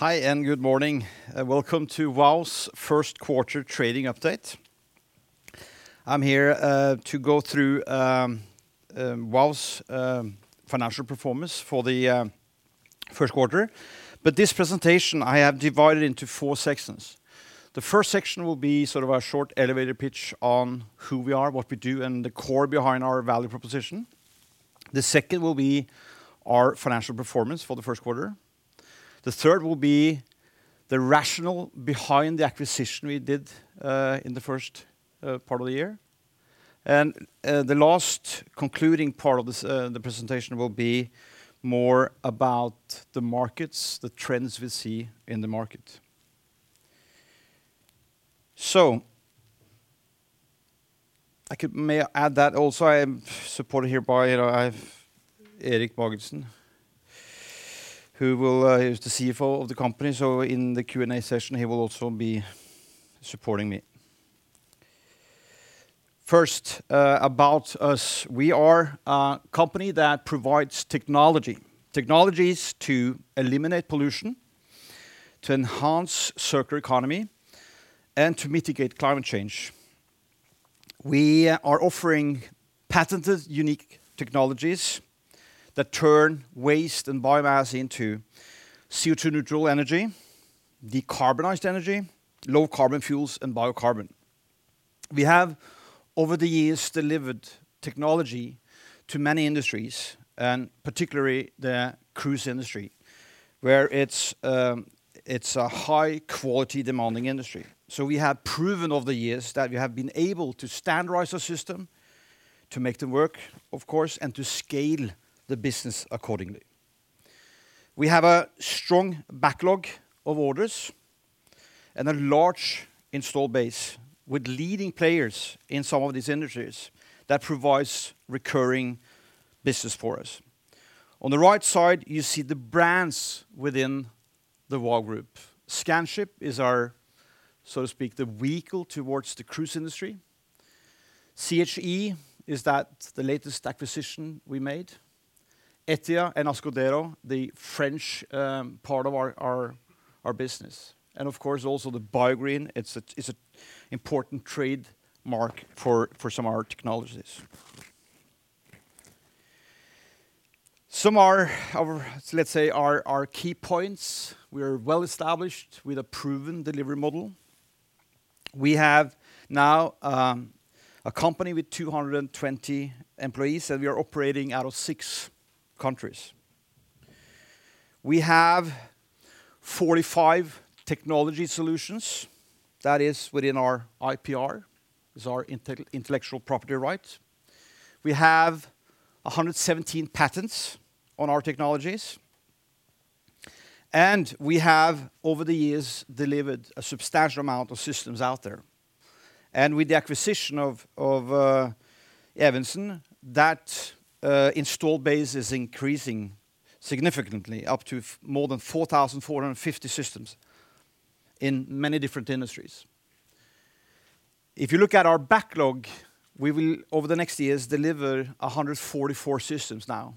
Hi, and good morning. Welcome to Vow's First Quarter Trading Update. I'm here to go through Vow's financial performance for the first quarter. This presentation I have divided into four sections. The first section will be sort of a short elevator pitch on who we are, what we do, and the core behind our value proposition. The second will be our financial performance for the first quarter. The third will be the rationale behind the acquisition we did in the first part of the year. The last concluding part of this presentation will be more about the markets, the trends we see in the market. May I add that also I am supported here by, I have Erik Magelssen, who will, he's the CFO of the company, so in the Q&A session, he will also be supporting me. First, about us. We are a company that provides technology, technologies to eliminate pollution, to enhance circular economy, and to mitigate climate change. We are offering patented, unique technologies that turn waste and biomass into CO₂ neutral energy, decarbonized energy, low carbon fuels, and biocarbon. We have, over the years, delivered technology to many industries, and particularly the cruise industry, where it's a high quality demanding industry. We have proven over the years that we have been able to standardize our system to make them work, of course, and to scale the business accordingly. We have a strong backlog of orders and a large install base with leading players in some of these industries that provides recurring business for us. On the right side, you see the brands within the Vow group. Scanship is, so to speak, the vehicle towards the cruise industry. C.H. Evensen is that, the latest acquisition we made. ETIA and Asco, the French part of our business. Of course, also the Biogreen, it's an important trademark for some of our technologies. Some are our, let's say, our key points. We are well-established with a proven delivery model. We have now a company with 220 employees, and we are operating out of six countries. We have 45 technology solutions. That is within our IPR, our intellectual property rights. We have 117 patents on our technologies. We have, over the years, delivered a substantial amount of systems out there. With the acquisition of C.H. Evensen, that installed base is increasing significantly up to more than 4,450 systems in many different industries. If you look at our backlog, we will over the next years deliver 144 systems now.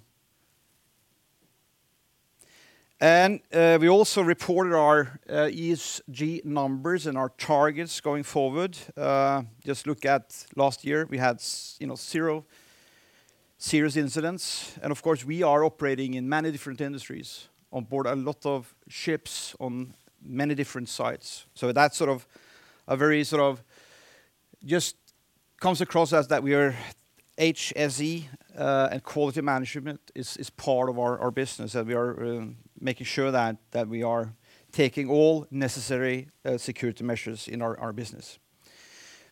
We also reported our ESG numbers and our targets going forward. Just look at last year, we had you know, zero serious incidents. Of course, we are operating in many different industries on board a lot of ships on many different sites. That's sort of a very just comes across as that we are HSE and quality management is part of our business, and we are making sure that we are taking all necessary security measures in our business.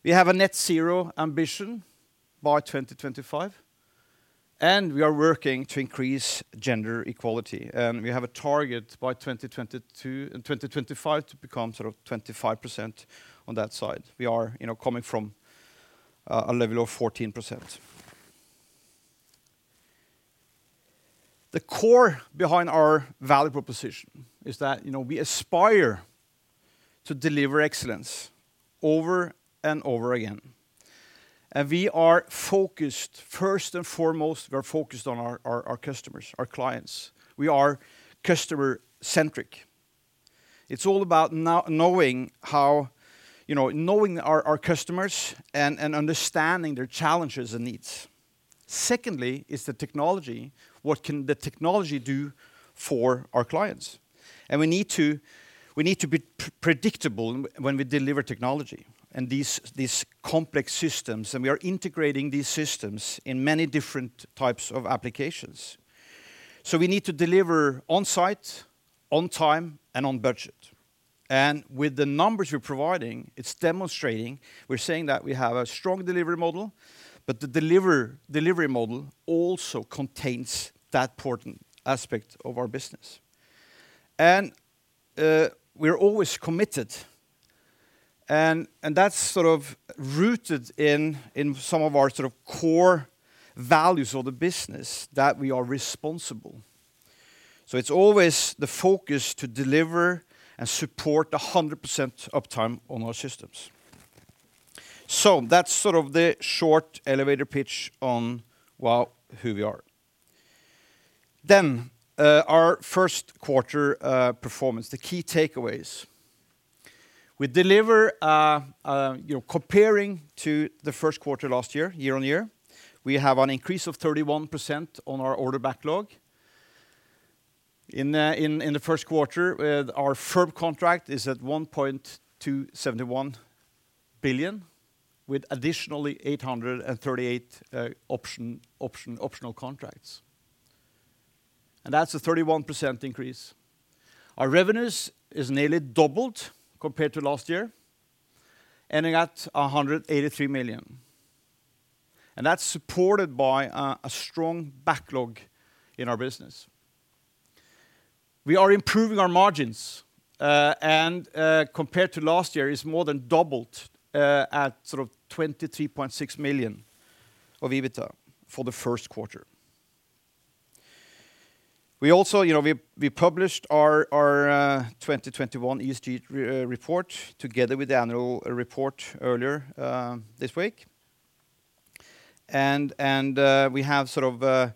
We have a net-zero ambition by 2025, and we are working to increase gender equality. We have a target by 2022 and 2025 to become sort of 25% on that side. We are, you know, coming from a level of 14%. The core behind our value proposition is that, you know, we aspire to deliver excellence over and over again. We are focused, first and foremost, we're focused on our customers, our clients. We are customer-centric. It's all about knowing how, you know, knowing our customers and understanding their challenges and needs. Secondly is the technology. What can the technology do for our clients? We need to be predictable when we deliver technology and these complex systems, and we are integrating these systems in many different types of applications. We need to deliver on site, on time, and on budget. With the numbers we're providing, it's demonstrating we're saying that we have a strong delivery model, but the delivery model also contains that important aspect of our business. We're always committed and that's sort of rooted in some of our sort of core values of the business that we are responsible. It's always the focus to deliver and support 100% uptime on our systems. That's sort of the short elevator pitch on, well, who we are. Our first quarter performance, the key takeaways. We deliver, you know, comparing to the first quarter last year on year, we have an increase of 31% on our order backlog. In the first quarter, our firm contract is at 1.271 billion with additionally 838 million optional contracts. And that's a 31% increase. Our revenues is nearly doubled compared to last year, ending at 183 million. And that's supported by a strong backlog in our business. We are improving our margins, and compared to last year is more than doubled, at sort of 23.6 million of EBITDA for the first quarter. We also, you know, we published our 2021 ESG report together with the annual report earlier this week. We have sort of the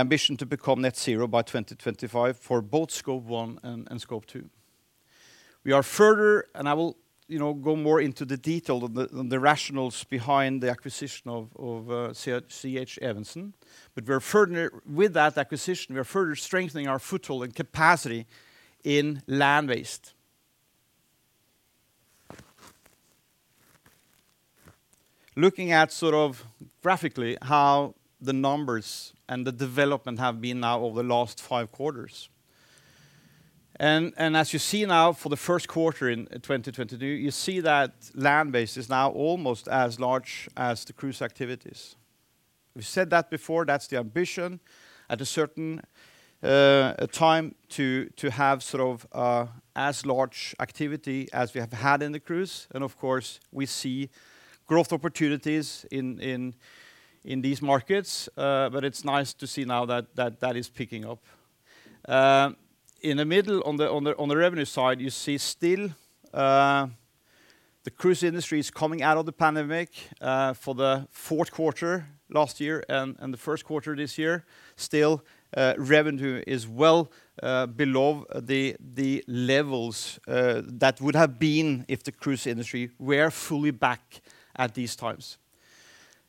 ambition to become net zero by 2025 for both Scope 1 and Scope 2. We are further, and I will, you know, go more into the detail of the rationales behind the acquisition of C.H. Evensen. But we're further with that acquisition, we are further strengthening our foothold and capacity in land-based. Looking at sort of graphically how the numbers and the development have been now over the last five quarters. As you see now for the first quarter in 2022, you see that land-based is now almost as large as the cruise activities. We’ve said that before, that’s the ambition at a certain time to have sort of as large activity as we have had in the cruise. Of course, we see growth opportunities in these markets, but it’s nice to see now that that is picking up. In the middle on the revenue side, you see still the cruise industry is coming out of the pandemic for the fourth quarter last year and the first quarter this year. Still, revenue is well below the levels that would have been if the cruise industry were fully back at these times.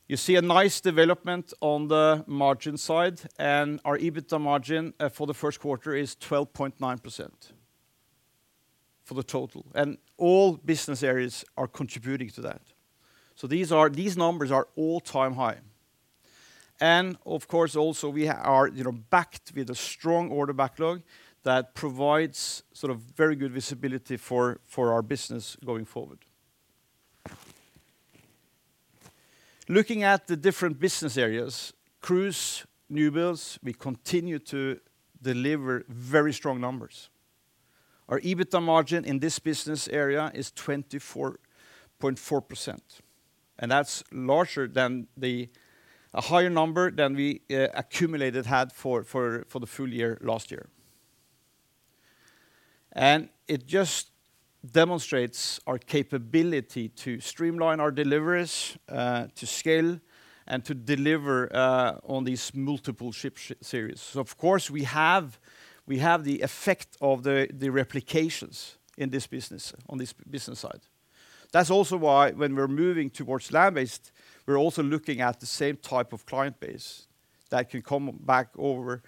You see a nice development on the margin side, and our EBITDA margin for the first quarter is 12.9% for the total. All business areas are contributing to that. These numbers are all-time high. Of course, also, we are, you know, backed with a strong order backlog that provides sort of very good visibility for our business going forward. Looking at the different business areas, cruise newbuilds, we continue to deliver very strong numbers. Our EBITDA margin in this business area is 24.4%, and that's larger than a higher number than we accumulated had for the full year last year. It just demonstrates our capability to streamline our deliveries to scale, and to deliver on these multiple ship series. Of course, we have the effect of the replications in this business, on this business side. That's also why when we're moving towards land-based, we're also looking at the same type of client base that can come back over,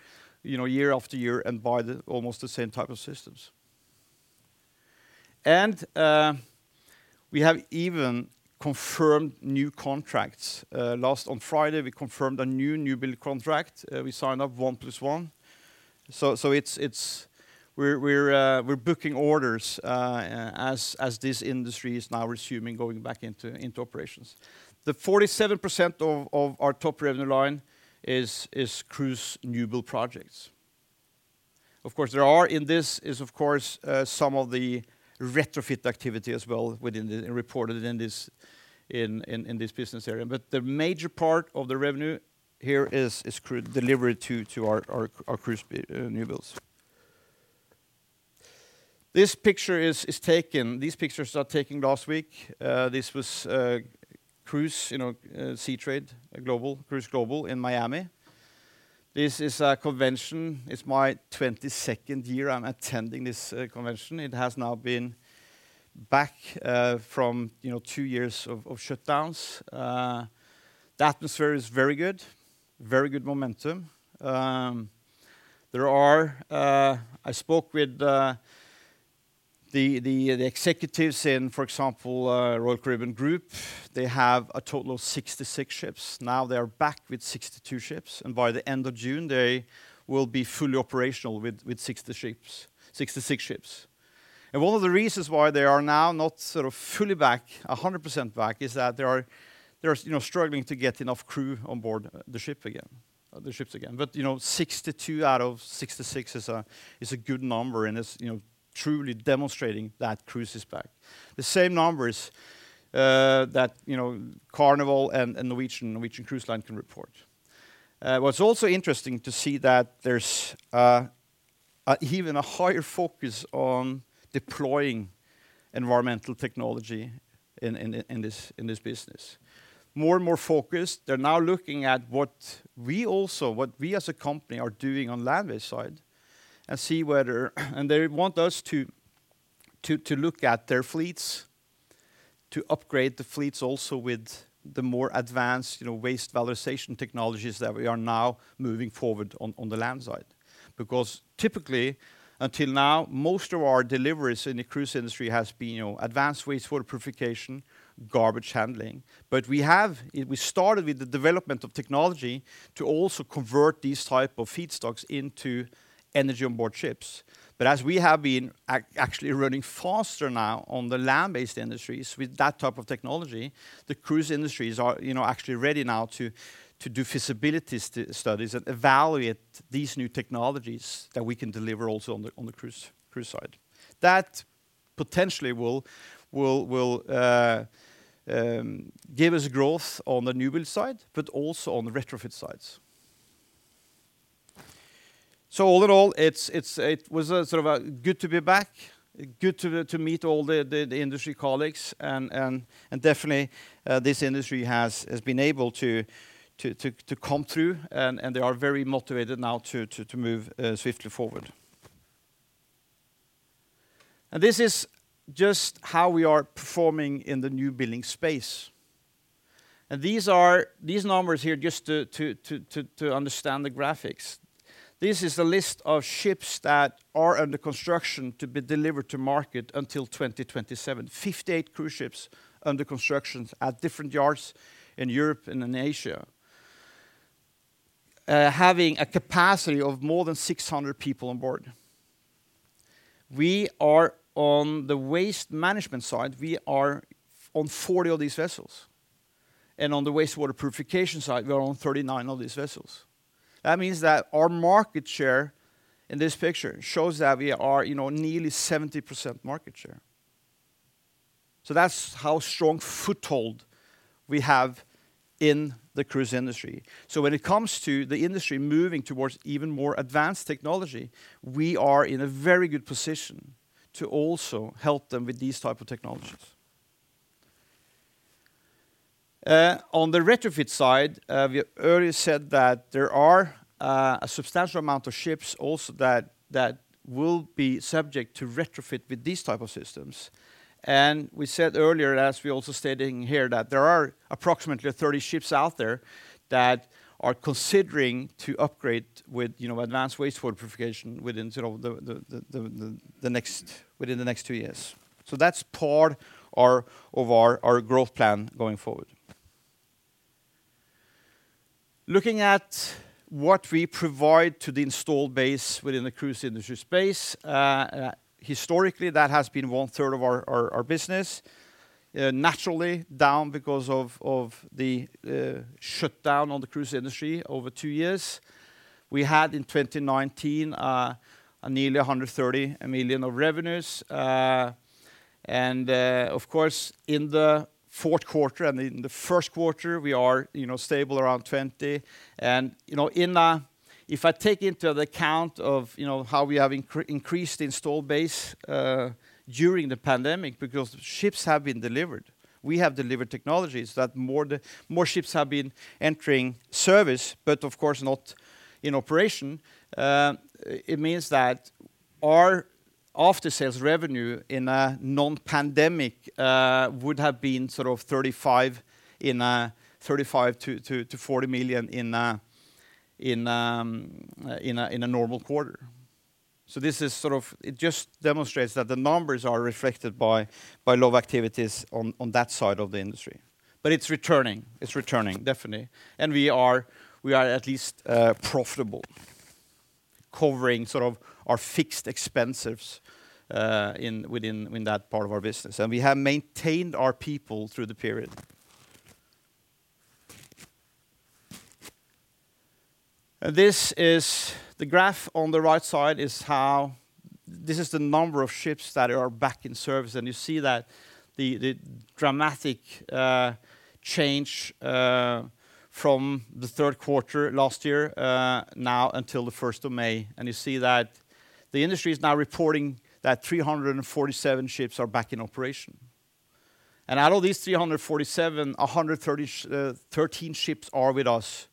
you know, year after year and buy almost the same type of systems. We have even confirmed new contracts. Last Friday, we confirmed a new newbuild contract. We signed up one plus one. It's we're booking orders as this industry is now resuming going back into operations. The 47% of our top revenue line is cruise newbuild projects. Of course, there are in this is of course some of the retrofit activity as well within the reported in this business area. The major part of the revenue here is delivered to our cruise newbuilds. This picture is taken. These pictures are taken last week. This was Cruise, you know, Seatrade Cruise Global in Miami. This is a convention. It's my 22nd year I'm attending this convention. It has now been back from, you know, two years of shutdowns. The atmosphere is very good momentum. I spoke with the executives in, for example, Royal Caribbean Group. They have a total of 66 ships. Now they are back with 62 ships, and by the end of June, they will be fully operational with 60 ships, 66 ships. One of the reasons why they are now not sort of fully back, 100% back, is that they are, you know, struggling to get enough crew on board the ship again, the ships again. You know, 62 out of 66 is a good number and is, you know, truly demonstrating that cruise is back. The same numbers that, you know, Carnival and Norwegian Cruise Line can report. What's also interesting to see that there's even a higher focus on deploying environmental technology in this business. More and more focused, they're now looking at what we as a company are doing on land-based side and see whether they want us to look at their fleets, to upgrade the fleets also with the more advanced, you know, waste valorization technologies that we are now moving forward on the land side. Because typically, until now, most of our deliveries in the cruise industry has been, you know, advanced wastewater purification, garbage handling. We have started with the development of technology to also convert these type of feedstocks into energy on board ships. as we have been actually running faster now on the land-based industries with that type of technology, the cruise industries are actually ready now to do feasibility studies and evaluate these new technologies that we can deliver also on the cruise side. That potentially will give us growth on the newbuild side, but also on the retrofit sides. All in all, it was good to be back, good to meet all the industry colleagues and definitely this industry has been able to come through and they are very motivated now to move swiftly forward. This is just how we are performing in the newbuilding space. These numbers here just to understand the graphics. This is a list of ships that are under construction to be delivered to market until 2027. 58 cruise ships under construction at different yards in Europe and in Asia, having a capacity of more than 600 people on board. We are on the waste management side, we are on 40 of these vessels. On the wastewater purification side, we are on 39 of these vessels. That means that our market share in this picture shows that we are, you know, nearly 70% market share. That's how strong foothold we have in the cruise industry. When it comes to the industry moving towards even more advanced technology, we are in a very good position to also help them with these type of technologies. On the retrofit side, we earlier said that there are a substantial amount of ships also that will be subject to retrofit with these type of systems. We said earlier, as we're also stating here, that there are approximately 30 ships out there that are considering to upgrade with, you know, advanced wastewater purification within sort of the next two years. That's part of our growth plan going forward. Looking at what we provide to the installed base within the cruise industry space, historically, that has been 1/3 of our business. Naturally down because of the shutdown on the cruise industry over two years. We had in 2019 nearly 130 million of revenues. Of course, in the fourth quarter and in the first quarter, we are, you know, stable around 20 million. You know, if I take into account how we have increased installed base during the pandemic, because ships have been delivered, we have delivered technologies that more the more ships have been entering service, but of course not in operation, it means that our after-sales revenue in a non-pandemic would have been sort of 35 million-40 million in a normal quarter. This is sort of it just demonstrates that the numbers are reflected by low activities on that side of the industry. It's returning, definitely. We are at least profitable, covering sort of our fixed expenses within that part of our business. We have maintained our people through the period. This is the graph on the right side showing the number of ships that are back in service. You see that the dramatic change from the third quarter last year now until the first of May. You see that the industry is now reporting that 347 ships are back in operation. Out of these 347, 13 ships are with us.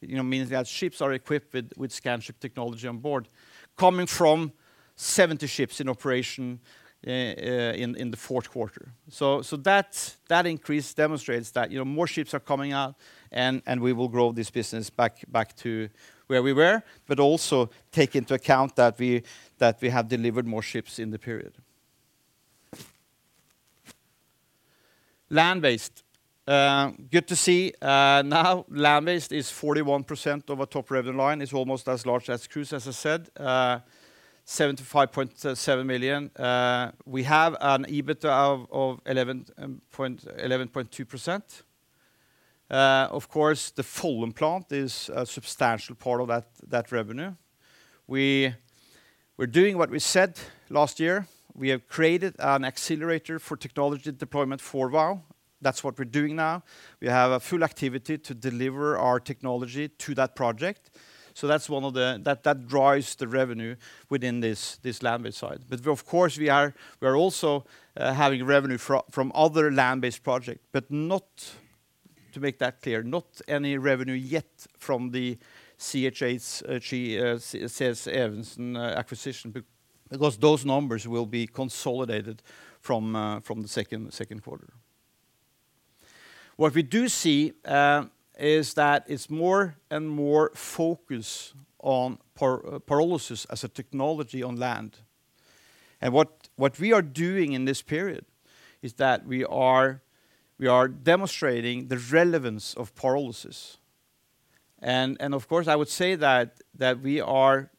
You know, that means ships are equipped with Scanship technology on board, coming from 70 ships in operation in the fourth quarter. That increase demonstrates that, you know, more ships are coming out and we will grow this business back to where we were, but also take into account that we have delivered more ships in the period. Land-based. Good to see, now land-based is 41% of our top revenue line. It's almost as large as cruise, as I said. 75.7 million. We have an EBITDA of 11.2%. Of course, the Follum plant is a substantial part of that revenue. We're doing what we said last year. We have created an accelerator for technology deployment for Vow. That's what we're doing now. We have full activity to deliver our technology to that project. That's one of the things that drives the revenue within this land-based side. Of course, we are, we're also having revenue from other land-based project, but not, to make that clear, not any revenue yet from the C.H. Evensen acquisition because those numbers will be consolidated from the second quarter. What we do see is that it's more and more focus on pyrolysis as a technology on land. Of course, I would say that we are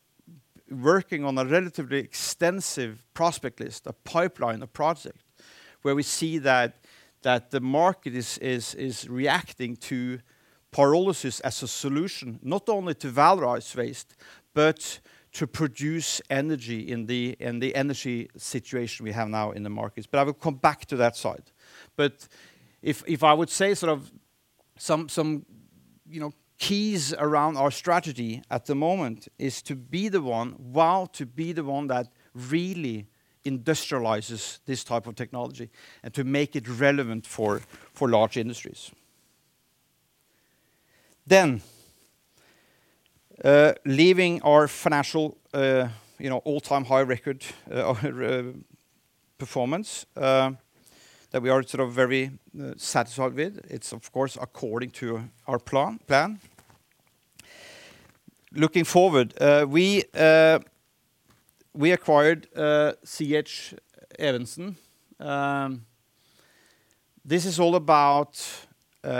working on a relatively extensive prospect list, a pipeline, a project, where we see that the market is reacting to pyrolysis as a solution, not only to valorize waste, but to produce energy in the energy situation we have now in the markets. I will come back to that side. If I would say sort of some you know keys around our strategy at the moment is to be the one, Vow, to be the one that really industrializes this type of technology and to make it relevant for large industries. Given our financial you know all-time high record of performance that we are sort of very satisfied with. It's of course according to our plan. Looking forward, we acquired C.H. Evensen. This is all about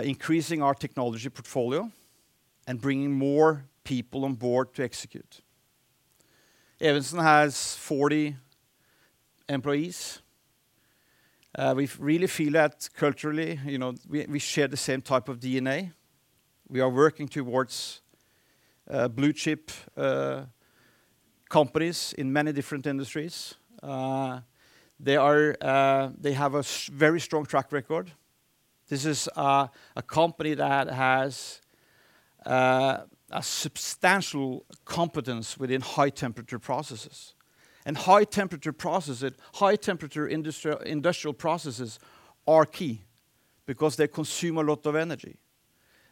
increasing our technology portfolio and bringing more people on board to execute. Evensen has 40 employees. We really feel that culturally, you know, we share the same type of DNA. We are working towards blue-chip companies in many different industries. They have a very strong track record. This is a company that has a substantial competence within high-temperature processes. High-temperature industrial processes are key because they consume a lot of energy,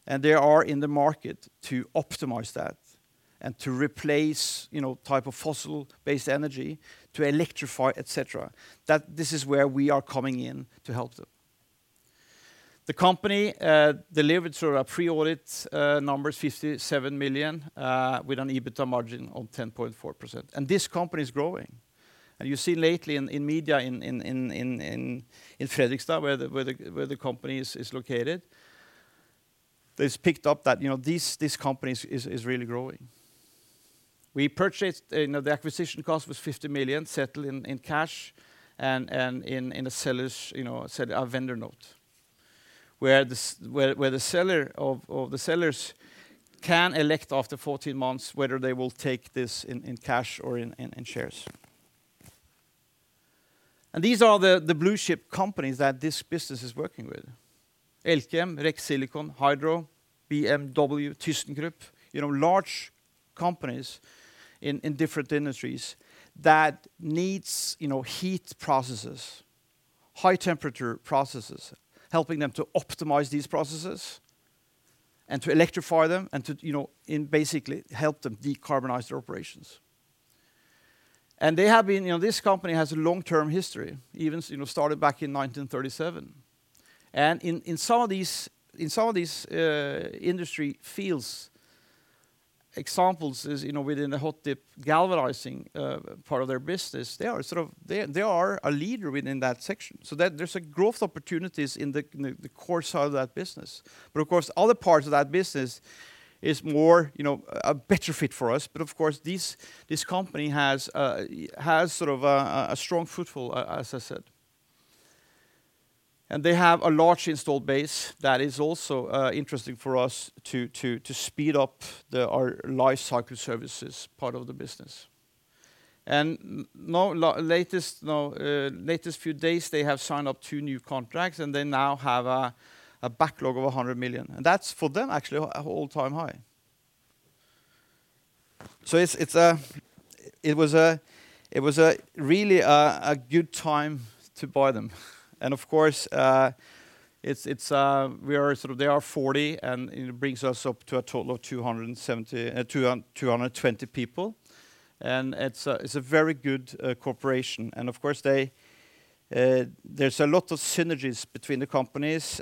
and they are in the market to optimize that and to replace, you know, type of fossil-based energy to electrify, etc. That this is where we are coming in to help them. The company delivered sort of a pre-audit numbers 57 million with an EBITDA margin of 10.4%. This company is growing. You see lately in media in Fredrikstad, where the company is located, it's picked up that this company is really growing. We purchased, you know, the acquisition cost was 50 million, settled in cash and in a seller's, you know, a vendor note, where the sellers can elect after 14 months whether they will take this in cash or in shares. These are the blue-chip companies that this business is working with. Elkem, REC Silicon, Norsk Hydro, BMW, thyssenkrupp, you know, large companies in different industries that needs, you know, heat processes, high-temperature processes, helping them to optimize these processes and to electrify them and to, you know, and basically help them decarbonize their operations. They have been, you know, this company has a long-term history, even, you know, started back in 1937. In some of these industry fields, for example, you know, within the hot-dip galvanizing part of their business, they are sort of a leader within that section, so that there's growth opportunities in the core side of that business. Of course, other parts of that business are more, you know, a better fit for us. Of course, this company has sort of a strong foothold, as I said. They have a large installed base that is also interesting for us to speed up our lifecycle services part of the business. In the latest few days, they have signed up two new contracts, and they now have a backlog of 100 million. That's for them actually an all-time high. It was a really good time to buy them. Of course, they are 40, and it brings us up to a total of 220 people. It's a very good cooperation. Of course, there's a lot of synergies between the companies.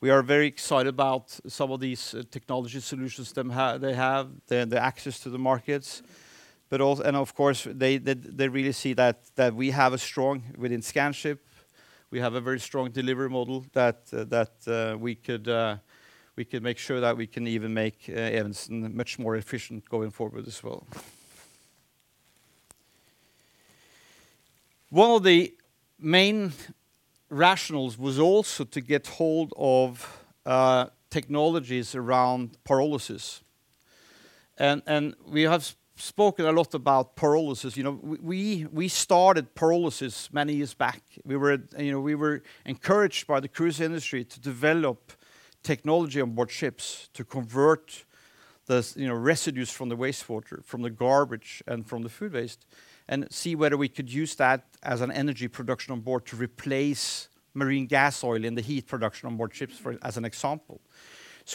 We are very excited about some of these technology solutions they have, the access to the markets. Of course, they really see that we have a strong IP within Scanship. We have a very strong delivery model that we could make sure that we can even make Evensen much more efficient going forward as well. One of the main rationales was also to get hold of technologies around pyrolysis. We have spoken a lot about pyrolysis. You know, we started pyrolysis many years back. We were, you know, encouraged by the cruise industry to develop technology on board ships to convert, you know, residues from the wastewater, from the garbage, and from the food waste, and see whether we could use that as an energy production on board to replace marine gas oil in the heat production on board ships, as an example.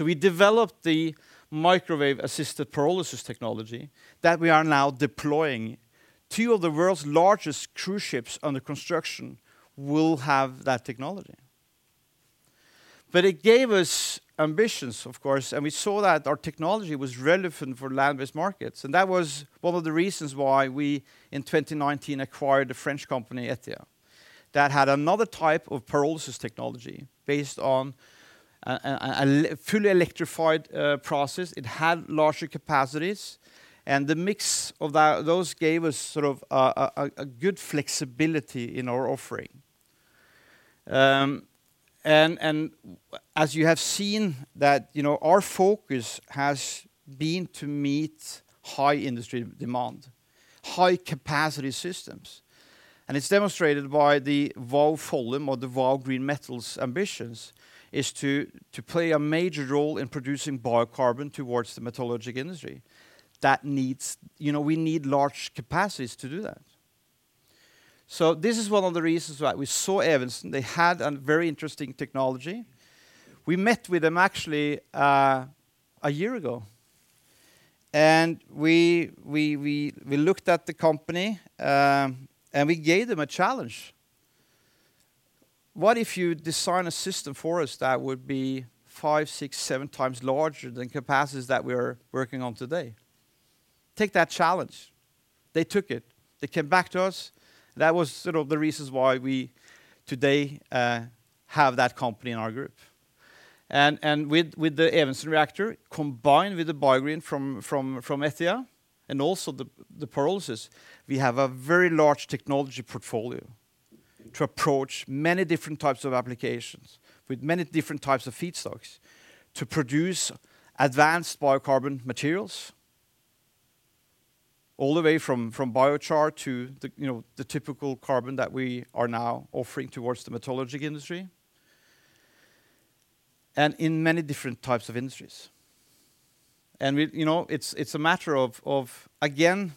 We developed the microwave-assisted pyrolysis technology that we are now deploying. Two of the world's largest cruise ships under construction will have that technology. It gave us ambitions, of course, and we saw that our technology was relevant for land-based markets. That was one of the reasons why we, in 2019, acquired a French company, ETIA, that had another type of pyrolysis technology based on a fully electrified process. It had larger capacities, and the mix of those gave us sort of a good flexibility in our offering. As you have seen that, you know, our focus has been to meet high industry demand, high-capacity systems, and it's demonstrated by the Vow volume or the Vow Green Metals ambitions to play a major role in producing biocarbon towards the metallurgic industry. That needs you know, we need large capacities to do that. This is one of the reasons why we saw Evensen. They had a very interesting technology. We met with them actually, a year ago, and we looked at the company, and we gave them a challenge. "What if you design a system for us that would be five, six, seven times larger than capacities that we're working on today? Take that challenge." They took it. They came back to us. That was sort of the reasons why we today have that company in our group. With the Evensen reactor combined with the Biogreen from ETIA and also the pyrolysis, we have a very large technology portfolio to approach many different types of applications with many different types of feedstocks to produce advanced biocarbon materials all the way from biochar to the, you know, the typical carbon that we are now offering towards the metallurgic industry and in many different types of industries. You know, it's a matter of, again,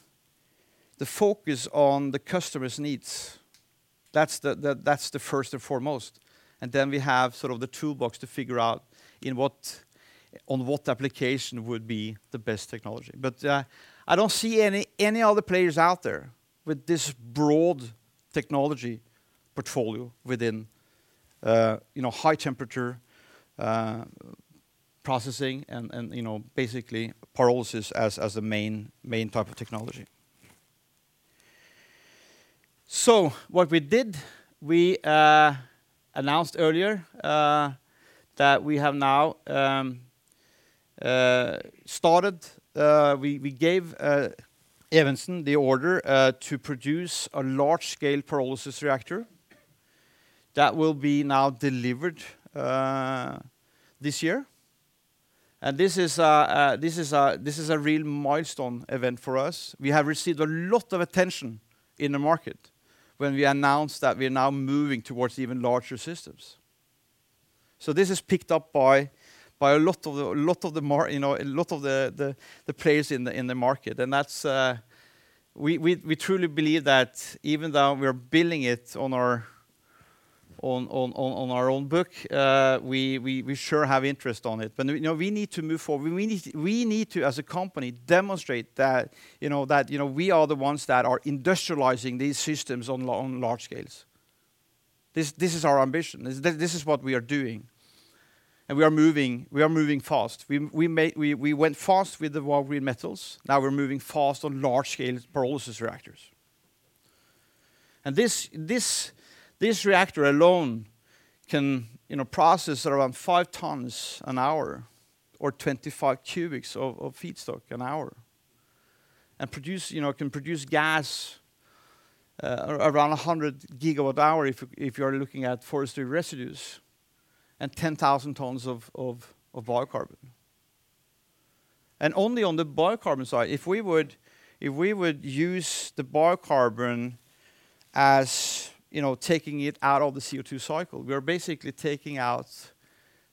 the focus on the customer's needs. That's the first and foremost, and then we have sort of the toolbox to figure out on what application would be the best technology. I don't see any other players out there with this broad technology portfolio within, you know, high temperature processing and, you know, basically pyrolysis as a main type of technology. What we did, we announced earlier that we have now we gave Evensen the order to produce a large-scale pyrolysis reactor that will be now delivered this year. This is a real milestone event for us. We have received a lot of attention in the market when we announced that we are now moving towards even larger systems. This is picked up by a lot of the players in the market, and that's we truly believe that even though we're billing it on our own book, we sure have interest on it. You know, we need to move forward. We need to, as a company, demonstrate that you know we are the ones that are industrializing these systems on large scales. This is our ambition. This is what we are doing and we are moving fast. We went fast with Vow Green Metals. Now we're moving fast on large-scale pyrolysis reactors. This reactor alone can, you know, process around 5 tons an hour or 25 cubics of feedstock an hour and produce, you know, it can produce gas around 100 GWh if you're looking at forestry residues and 10,000 tons of biocarbon. Only on the biocarbon side, if we would use the biocarbon as, you know, taking it out of the CO₂ cycle, we are basically taking out,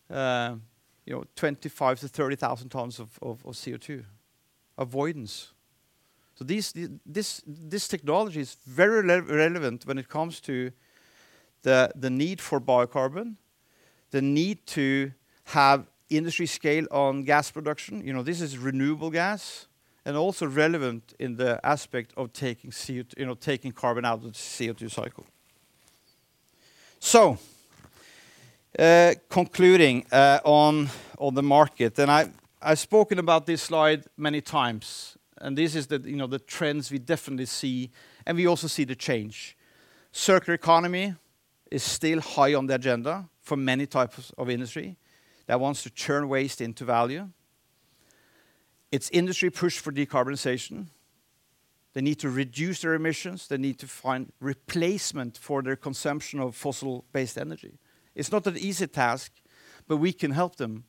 you know, 25,000-30,000 tons of CO₂ avoidance. This technology is very relevant when it comes to the need for biocarbon, the need to have industrial scale on gas production, you know, this is renewable gas, and also relevant in the aspect of taking carbon out of the CO₂ cycle. Concluding on the market, and I've spoken about this slide many times, and this is you know the trends we definitely see, and we also see the change. Circular economy is still high on the agenda for many types of industry that wants to turn waste into value. It's industry push for decarbonization. They need to reduce their emissions. They need to find replacement for their consumption of fossil-based energy. It's not an easy task, but we can help them.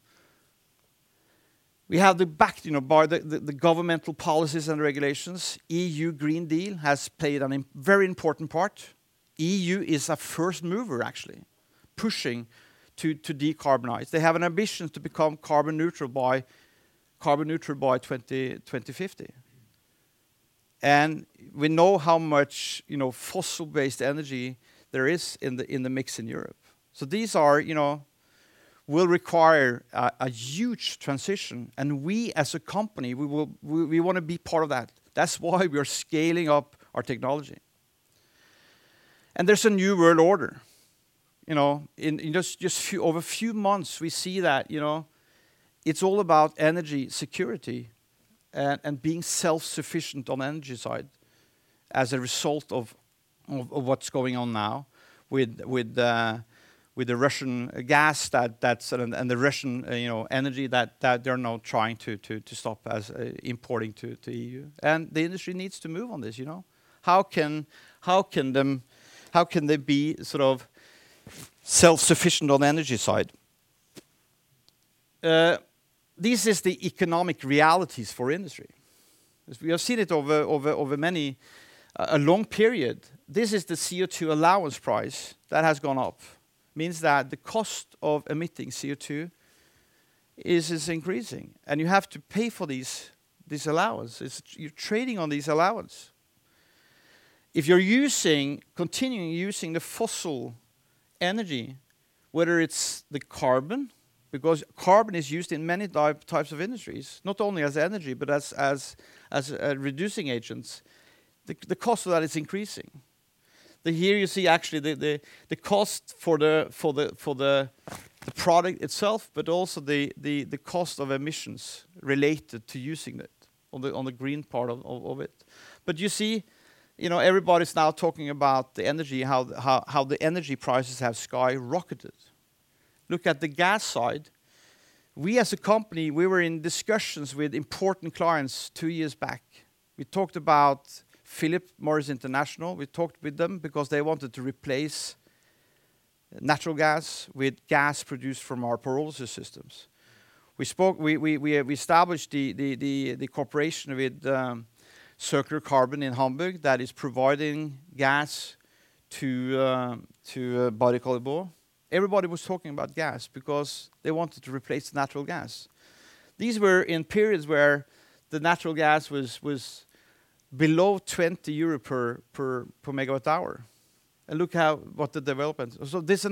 We have the backing of the governmental policies and regulations. European Green Deal has played a very important part. EU is a first mover actually pushing to decarbonize. They have an ambition to become carbon neutral by 2050. We know how much, you know, fossil-based energy there is in the mix in Europe. These are, you know, will require a huge transition. We as a company, we wanna be part of that. That's why we are scaling up our technology. There's a new world order, you know. In just over few months, we see that, you know, it's all about energy security and being self-sufficient on energy side as a result of what's going on now with the Russian gas that's and the Russian energy that they're now trying to stop us importing to EU. The industry needs to move on this, you know. How can they be sort of self-sufficient on energy side? This is the economic realities for industry as we have seen it over many a long period. This is the CO₂ allowance price that has gone up. Means that the cost of emitting CO₂ is increasing, and you have to pay for these allowances. You're trading on these allowances. If you're continuing using the fossil energy, whether it's the carbon, because carbon is used in many types of industries, not only as energy but as a reducing agent, the cost of that is increasing. Here you see actually the cost for the product itself, but also the cost of emissions related to using it on the green part of it. You see, you know, everybody's now talking about the energy, how the energy prices have skyrocketed. Look at the gas side. We as a company were in discussions with important clients two years back. We talked about Philip Morris International. We talked with them because they wanted to replace natural gas with gas produced from our pyrolysis systems. We established the cooperation with Circular Carbon in Hamburg that is providing gas to Barry Callebaut Everybody was talking about gas because they wanted to replace natural gas. These were in periods where the natural gas was below 20 euro per MWh. Look how what the development. This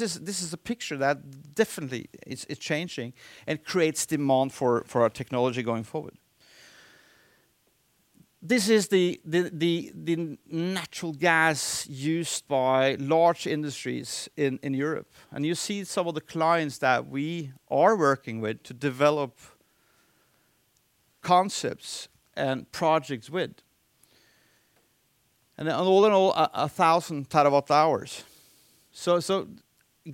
is a picture that definitely is changing and creates demand for our technology going forward. This is the natural gas used by large industries in Europe, and you see some of the clients that we are working with to develop concepts and projects with. All in all, 1,000 TWh.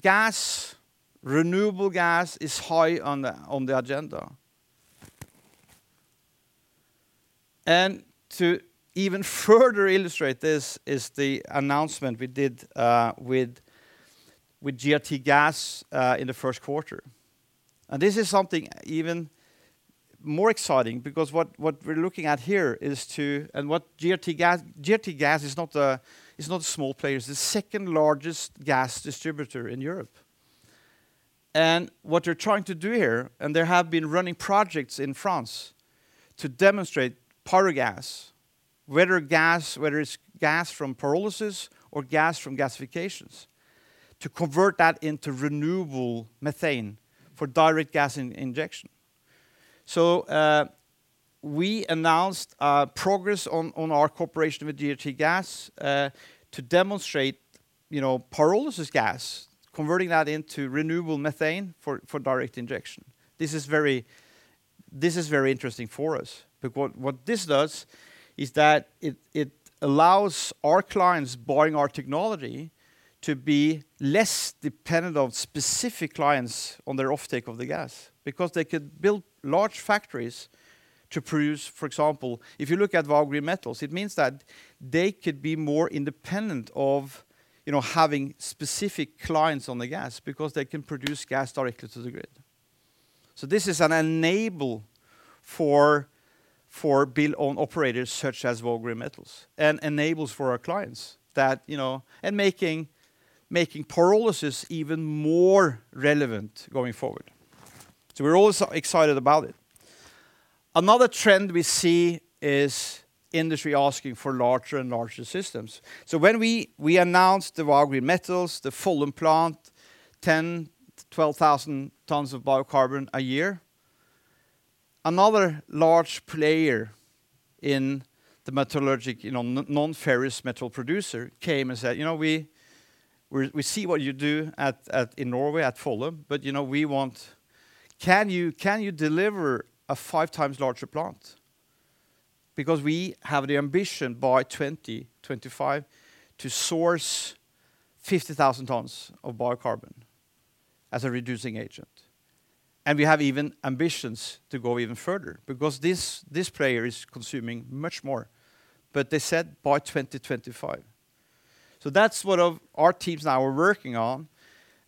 Gas, renewable gas is high on the agenda. To even further illustrate this is the announcement we did with GRTgaz in the first quarter. This is something even more exciting because what we're looking at here is to. What GRTgaz is not a small player. It's the second-largest gas distributor in Europe. What they're trying to do here, they have been running projects in France to demonstrate pyrogas, whether it's gas from pyrolysis or gas from gasification, to convert that into renewable methane for direct gas injection. We announced progress on our cooperation with GRTgaz to demonstrate, you know, pyrolysis gas, converting that into renewable methane for direct injection. This is very interesting for us because what this does is that it allows our clients buying our technology to be less dependent on specific clients on their offtake of the gas because they could build large factories to produce. For example, if you look at Vow Green Metals, it means that they could be more independent of, you know, having specific clients on the gas because they can produce gas directly to the grid. This is an enabler for build own operators such as Vow Green Metals and enables for our clients that, you know. Making pyrolysis even more relevant going forward. We're also excited about it. Another trend we see is industry asking for larger and larger systems. When we announced the Vow Green Metals Follum plant, 10,000-12,000 tons of biocarbon a year, another large player in the metallurgical, you know, non-ferrous metal producer came and said, "You know, we see what you do in Norway at Follum, but, you know, we want. Can you deliver a five times larger plant?" We have the ambition by 2025 to source 50,000 tons of biocarbon as a reducing agent. We have even ambitions to go even further because this player is consuming much more. They said by 2025. That's what our teams now are working on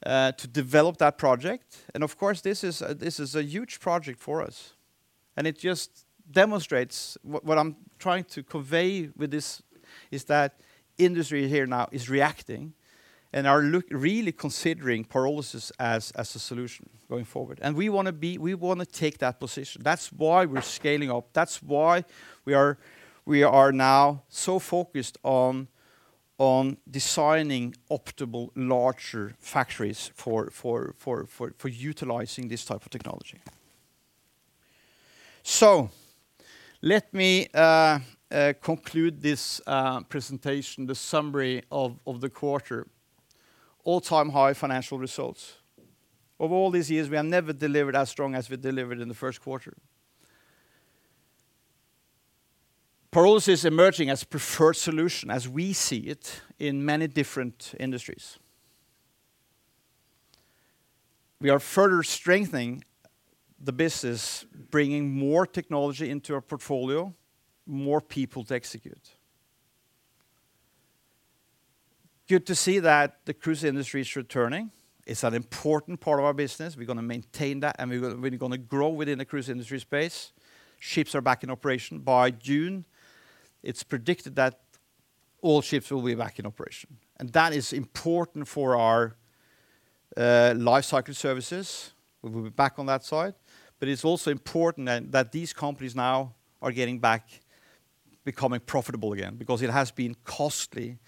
to develop that project. Of course, this is a huge project for us, and it just demonstrates what I'm trying to convey with this is that industry here now is reacting and are really considering pyrolysis as a solution going forward. We wanna take that position. That's why we're scaling up. That's why we are now so focused on designing optimal larger factories for utilizing this type of technology. Let me conclude this presentation, the summary of the quarter. All-time high financial results. Of all these years, we have never delivered as strong as we delivered in the first quarter. Pyrolysis emerging as preferred solution as we see it in many different industries. We are further strengthening the business, bringing more technology into our portfolio, more people to execute. Good to see that the cruise industry is returning. It's an important part of our business. We're gonna maintain that, and we're gonna grow within the cruise industry space. Ships are back in operation. By June, it's predicted that all ships will be back in operation, and that is important for our lifecycle services. We will be back on that side. But it's also important that these companies now are getting back, becoming profitable again because it has been costly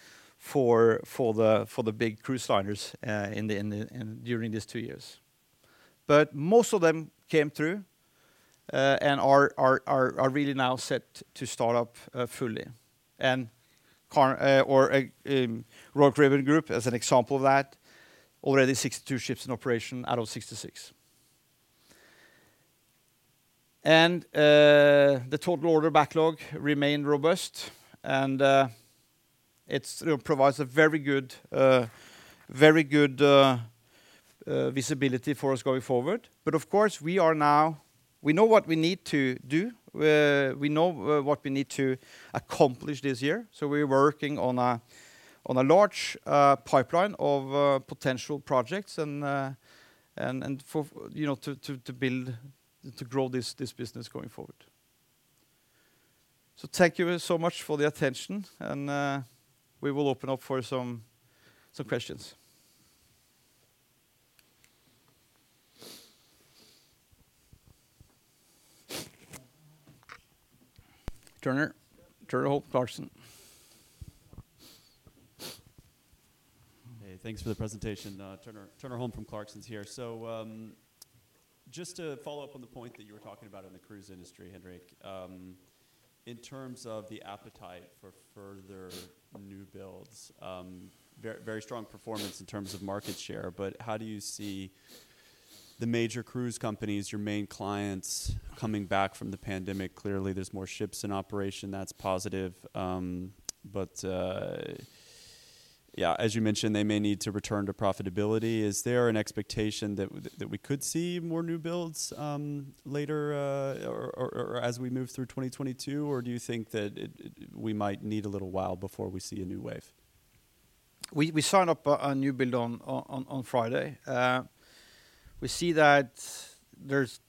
for the big cruise liners during these two years. But most of them came through, and are really now set to start up fully. Carnival or Royal Caribbean Group, as an example of that, already 62 ships in operation out of 66. The total order backlog remained robust, and it's, you know, provides a very good visibility for us going forward. Of course, we know what we need to do. We know what we need to accomplish this year, so we're working on a large pipeline of potential projects and for, you know, to build to grow this business going forward. Thank you so much for the attention and we will open up for some questions. Turner Holm, Clarksons. Hey, thanks for the presentation. Turner Holm from Clarksons is here. Just to follow up on the point that you were talking about in the cruise industry, Henrik, in terms of the appetite for further new builds, very, very strong performance in terms of market share, but how do you see the major cruise companies, your main clients, coming back from the pandemic? Clearly, there's more ships in operation, that's positive, but yeah, as you mentioned, they may need to return to profitability. Is there an expectation that we could see more new builds later or as we move through 2022? Or do you think that we might need a little while before we see a new wave? We signed up a new build on Friday. We see that there's,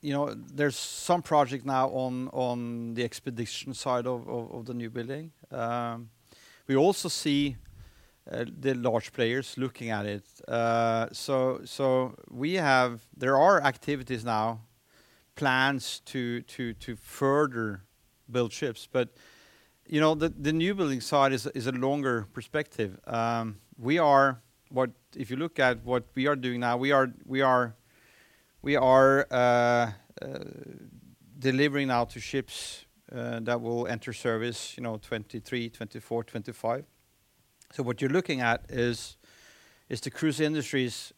you know, there's some project now on the expedition side of the new building. We also see the large players looking at it. We have there are activities now, plans to further build ships. You know, the new building side is a longer perspective. If you look at what we are doing now, we are delivering now to ships that will enter service, you know, 2023, 2024, 2025. What you're looking at is the cruise industry's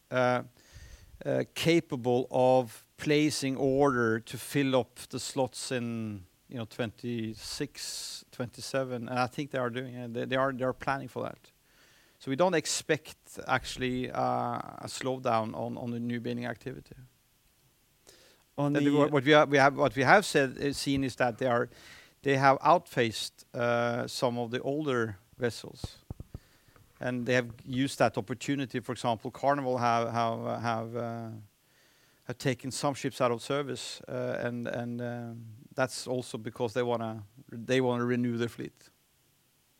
capable of placing order to fill up the slots in, you know, 2026, 2027. I think they are doing it. They are planning for that. We don't expect actually a slowdown on the new building activity. On the- What we have seen is that they have phased out some of the older vessels, and they have used that opportunity. For example, Carnival have taken some ships out of service. That's also because they wanna renew their fleet.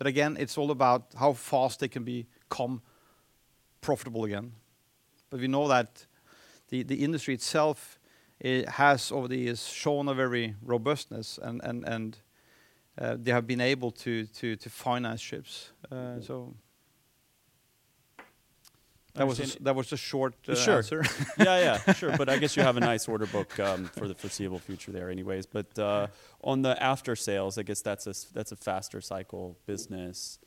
Again, it's all about how fast they can become profitable again. We know that the industry itself has over the years shown a very robustness and they have been able to finance ships. That was a short. Sure ...answer. Yeah, yeah. Sure. I guess you have a nice order book for the foreseeable future there anyways. On the after-sales, I guess that's a faster cycle business.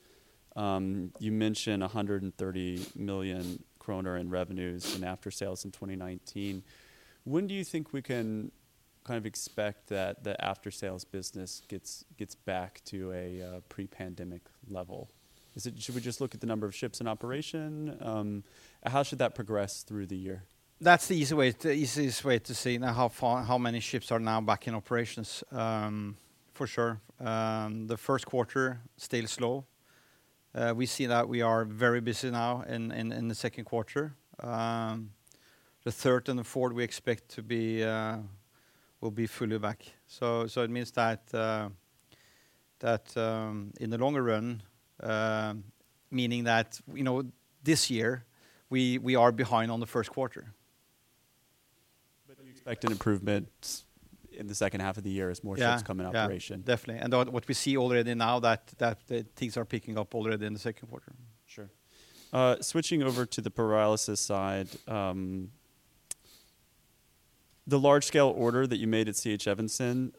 You mentioned 130 million kroner in revenues in after sales in 2019. When do you think we can kind of expect that the after-sales business gets back to a pre-pandemic level? Should we just look at the number of ships in operation? How should that progress through the year? That's the easiest way to see now how many ships are now back in operations, for sure. The first quarter stayed slow. We see that we are very busy now in the second quarter. The third and the fourth we expect will be fully back. It means that in the longer run, meaning that, you know, this year we are behind on the first quarter. Do you expect an improvement in the second half of the year? Yeah. Ships come in operation? Yeah, definitely. What we see already now that things are picking up already in the second quarter. Sure. Switching over to the pyrolysis side. The large-scale order that you made at C.H. Evensen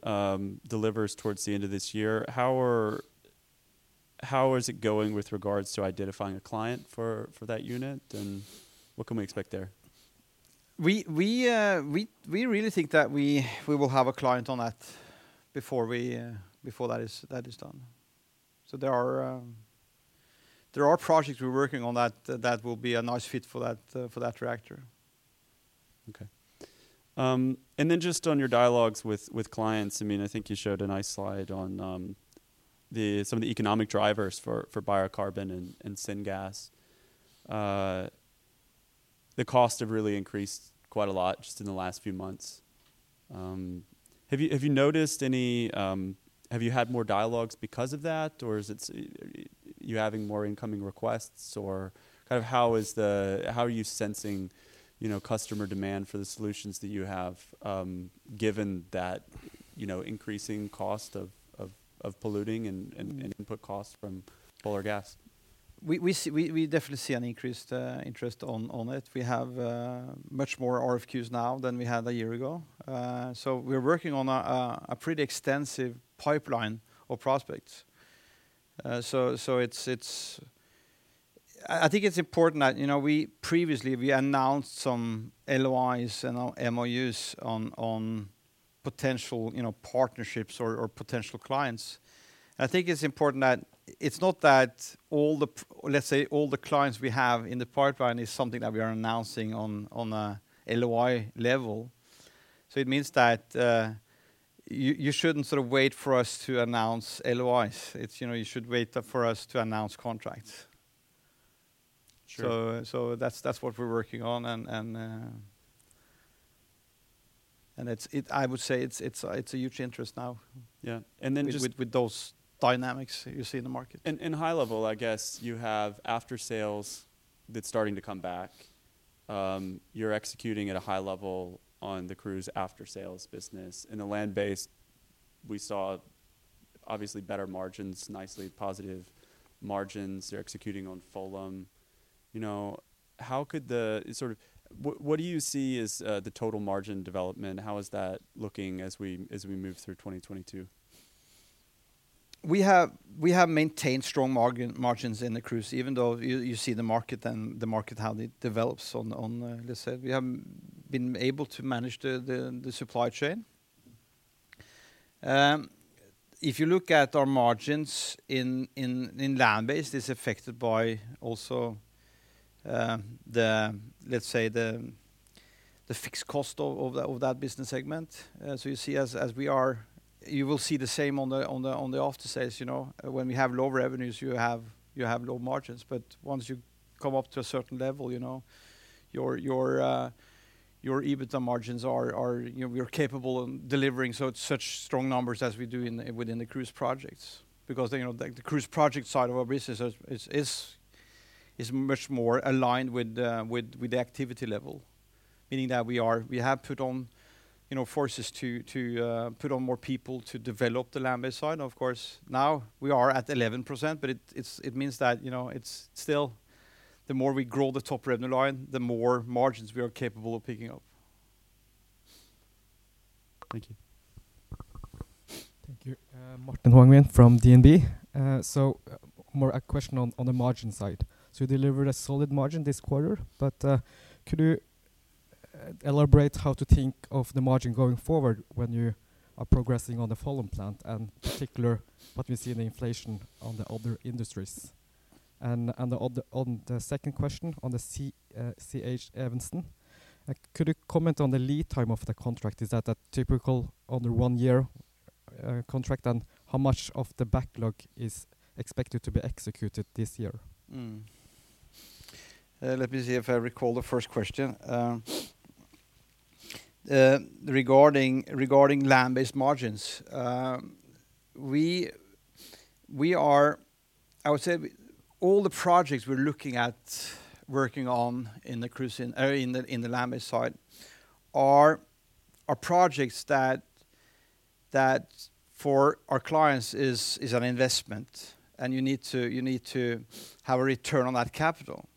delivers towards the end of this year. How is it going with regards to identifying a client for that unit? What can we expect there? We really think that we will have a client on that before that is done. There are projects we're working on that will be a nice fit for that reactor. Okay. Just on your dialogues with clients, I mean, I think you showed a nice slide on some of the economic drivers for biocarbon and syngas. The costs have really increased quite a lot just in the last few months. Have you noticed any? Have you had more dialogues because of that, or is it you having more incoming requests? Or kind of how are you sensing, you know, customer demand for the solutions that you have, given that, you know, increasing costs of polluting and input costs from fossil gas? We definitely see an increased interest on it. We have much more RFQ now than we had a year ago. We're working on a pretty extensive pipeline of prospects. I think it's important that you know we previously announced some LOI and MOU on potential you know partnerships or potential clients. I think it's important that it's not that all the let's say, all the clients we have in the pipeline is something that we are announcing on a LOI level. It means that you shouldn't sort of wait for us to announce LOI. It's you know you should wait for us to announce contracts. Sure. That's what we're working on and it's, I would say, a huge interest now. Yeah. with those dynamics you see in the market. At a high level, I guess you have aftersales that's starting to come back. You're executing at a high level on the cruise aftersales business. In the land-based, we saw obviously better margins, nicely positive margins. You're executing on Follum. You know, what do you see as the total margin development? How is that looking as we move through 2022? We have maintained strong margins in the cruise even though you see the market, how it develops on, let's say. We have been able to manage the supply chain. If you look at our margins in land-based, it's affected by also, the, let's say, the fixed cost of that business segment. You will see the same on the aftersales, you know. When we have low revenues, you have low margins. But once you come up to a certain level, you know, your EBITDA margins are, you know, we are capable of delivering such strong numbers as we do within the cruise projects. Because, you know, the cruise project side of our business is much more aligned with the activity level, meaning that we have put on, you know, forces to put on more people to develop the land-based side. Of course, now we are at 11%, but it's. It means that, you know, it's still the more we grow the top revenue line, the more margins we are capable of picking up. Thank you. Thank you. Martin Vangstein from DNB. More a question on the margin side. You delivered a solid margin this quarter, but could you elaborate how to think of the margin going forward when you are progressing on the Follum plant and particular what we see in the inflation on the other industries? And on the second question, on the C.H. Evensen, could you comment on the lead time of the contract? Is that a typical under one year contract? And how much of the backlog is expected to be executed this year? Let me see if I recall the first question. Regarding land-based margins. We are—I would say all the projects we're looking at working on in the cruise, in the land-based side are projects that for our clients is an investment, and you need to have a return on that capital.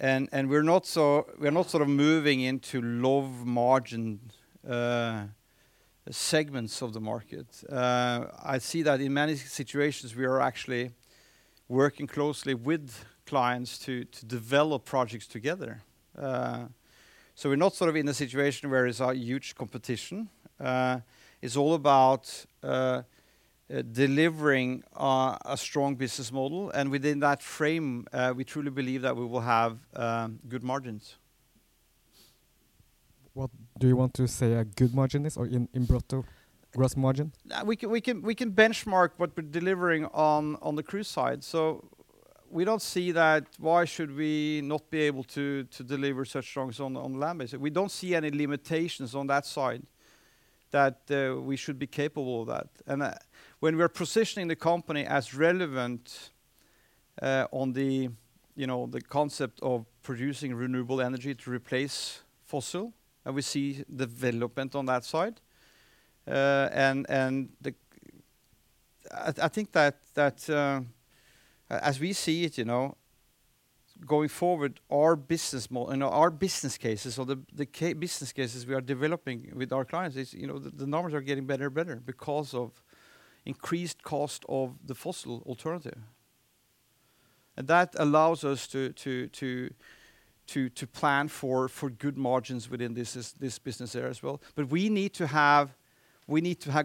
We're not sort of moving into low-margin segments of the market. I see that in many situations, we are actually working closely with clients to develop projects together. We're not sort of in a situation where it's a huge competition. It's all about delivering a strong business model. Within that frame, we truly believe that we will have good margins. What do you want to say a good margin is or in brutto gross margin? We can benchmark what we're delivering on the cruise side. We don't see why we should not be able to deliver such strong on land-based. We don't see any limitations on that side that we should be capable of that. When we're positioning the company as relevant on the concept of producing renewable energy to replace fossil, and we see development on that side. I think that as we see it, you know, going forward, our business cases or the business cases we are developing with our clients is, you know, the numbers are getting better and better because of increased cost of the fossil alternative. That allows us to plan for good margins within this business area as well. We need to have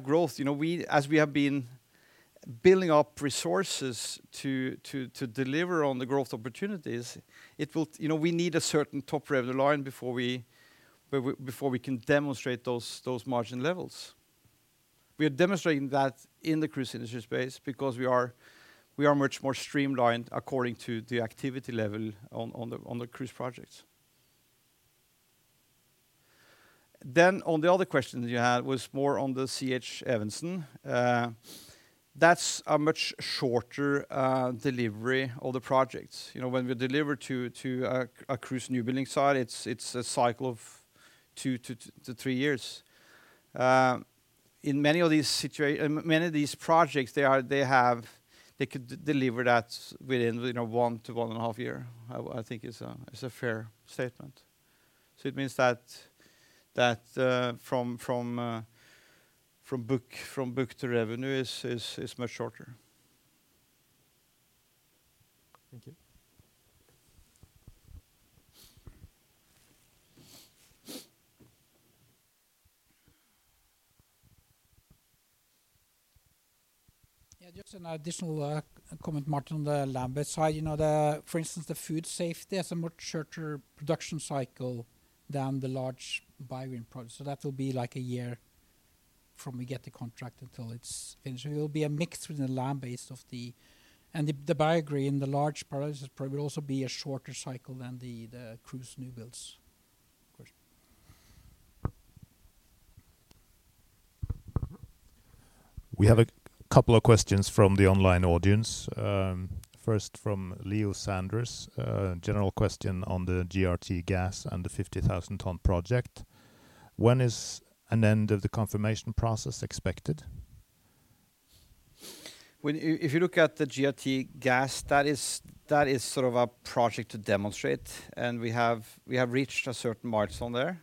growth. You know, as we have been building up resources to deliver on the growth opportunities, you know, we need a certain top revenue line before we can demonstrate those margin levels. We are demonstrating that in the cruise industry space because we are much more streamlined according to the activity level on the cruise projects. On the other question that you had was more on the C.H. Evensen. That's a much shorter delivery of the projects. You know, when we deliver to a cruise new building site, it's a cycle of two to three years. In many of these projects, they could deliver that within, you know, one to 1.5 years. I think it's a fair statement. It means that from book to revenue is much shorter. Thank you. Yeah, just an additional comment, Martin, on the land-based side. You know, for instance, the food safety, there's a much shorter production cycle than the large Biogreen project. That will be like a year from we get the contract until it's finished. It will be a mix between the land-based and the Biogreen, the large pyrolysis project will also be a shorter cycle than the cruise newbuilds project. We have a couple of questions from the online audience. First from Leo Sanders, general question on the GRTgaz and the 50,000 ton project. When is an end of the confirmation process expected? If you look at the GRTgaz, that is sort of a project to demonstrate, and we have reached a certain milestone there.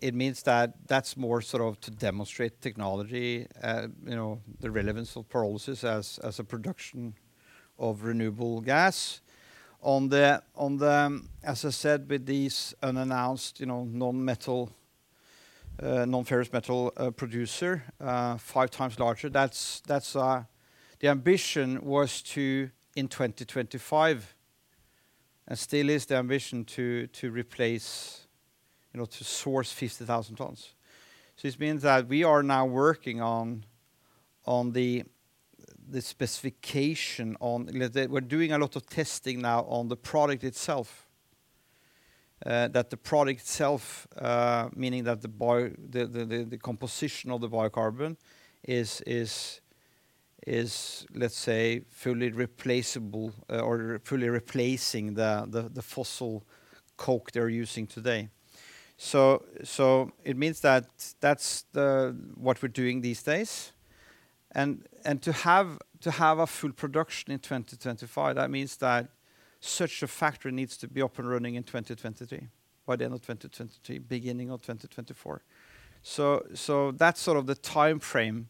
It means that that's more sort of to demonstrate technology, you know, the relevance of pyrolysis as a production of renewable gas. On the, as I said, with these unannounced, you know, non-ferrous metal producer, five times larger, that's the ambition was to, in 2025, and still is the ambition to replace, you know, to source 50,000 tons. This means that we are now working on the specification. We're doing a lot of testing now on the product itself. That the product itself, meaning that the composition of the biocarbon is, let's say, fully replaceable or fully replacing the fossil coke they're using today. It means that that's what we're doing these days. To have a full production in 2025, that means that such a factory needs to be up and running in 2023, by the end of 2023, beginning of 2024. That's sort of the timeframe.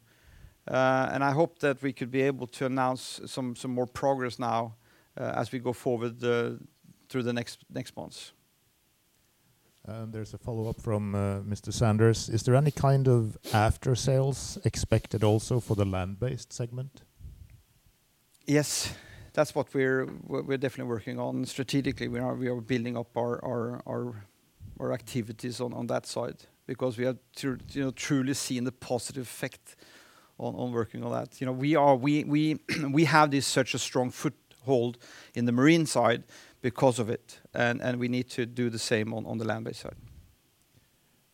I hope that we could be able to announce some more progress now, as we go forward through the next months. There's a follow-up from Mr. Sanders. Is there any kind of after-sales expected also for the land-based segment? Yes. That's what we're definitely working on. Strategically, we are building up our activities on that side because we are truly seeing the positive effect on working on that. You know, we have such a strong foothold in the marine side because of it. We need to do the same on the land-based side.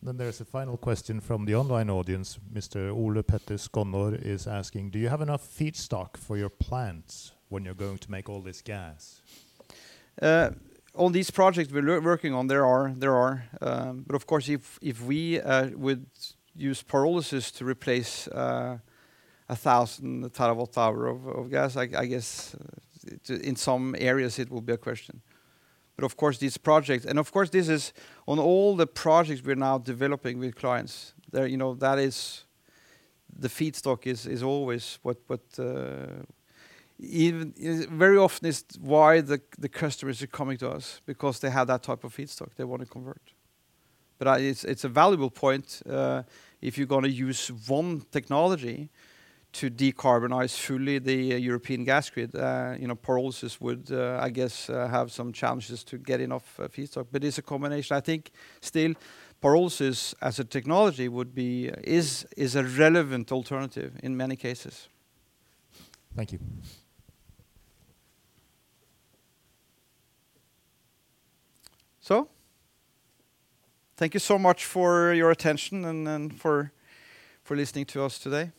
There is a final question from the online audience. Mr. Ole Petter Skonnord is asking, do you have enough feedstock for your plants when you're going to make all this gas? On these projects we're working on, there are. Of course, if we would use pyrolysis to replace 1,000 TWh of gas, I guess in some areas it will be a question. Of course, these projects. This is on all the projects we're now developing with clients. There, you know, that is the feedstock is always what. Very often it's why the customers are coming to us because they have that type of feedstock they want to convert. It's a valuable point. If you're gonna use one technology to decarbonize fully the European gas grid, you know, pyrolysis would, I guess, have some challenges to get enough feedstock. But it's a combination. I think still pyrolysis as a technology is a relevant alternative in many cases. Thank you. Thank you so much for your attention and for listening to us today.